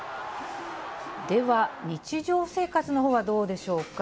では、日常生活のほうはどうでしょうか。